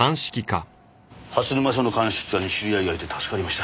蓮沼署の鑑識課に知り合いがいて助かりました。